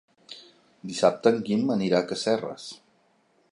Dissabte en Guim anirà a Casserres.